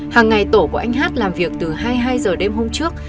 hàng ngày tổ của anh hát làm việc từ hai mươi hai h đêm hôm trước